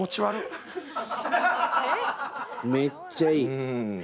めっちゃいい。